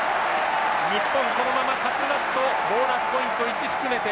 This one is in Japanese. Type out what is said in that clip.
日本このまま勝ちますとボーナスポイント１含めて